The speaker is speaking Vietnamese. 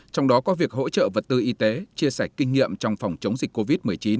trong đó có việc hỗ trợ vật tư y tế chia sẻ kinh nghiệm trong phòng chống dịch covid một mươi chín